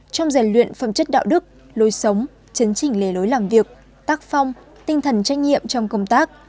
trong rèn luyện phẩm chất đạo đức lối sống chấn chỉnh lề lối làm việc tác phong tinh thần trách nhiệm trong công tác